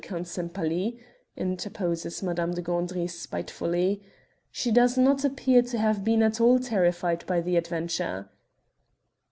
Count Sempaly," interposes Madame de Gandry spitefully; "she does not appear to have been at all terrified by the adventure."